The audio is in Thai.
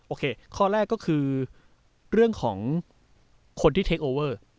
ข้อแรกก็คือเรื่องของคนที่เทคโอเวอร์